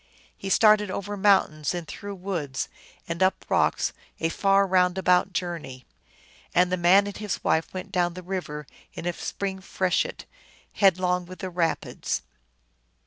He started over mountains and through woods and up rocks, a far, round about journey. And the man and his wife went down the river in a spring freshet, headlong with the rapids.